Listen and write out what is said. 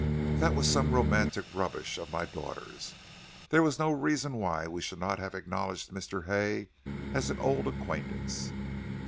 "That was some romantic rubbish of my daughter's. There was no reason why we should not have acknowledged Mr. Hay as an old acquaintance."